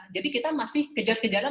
jadi kita masih kejar kejaran